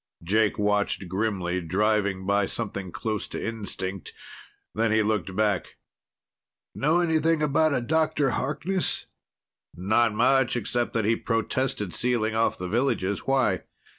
Jake watched grimly, driving by something close to instinct. Then he looked back. "Know anything about a Dr. Harkness?" "Not much, except that he protested sealing off the villages. Why?"